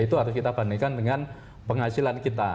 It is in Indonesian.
itu harus kita bandingkan dengan penghasilan kita